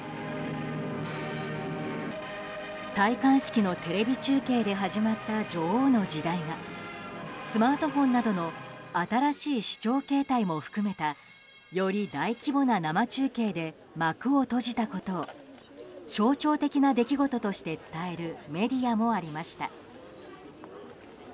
戴冠式のテレビ中継で始まった女王の時代はスマートフォンなどの新しい視聴形態も含めたより大規模な生中継で幕を閉じたことを象徴的な出来事として伝えるメディアもありました。